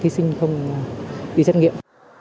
thí sinh không đi xét nghiệm